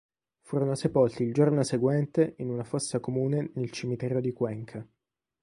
Furono sepolti il giorno seguente in una fossa comune nel cimitero di Cuenca.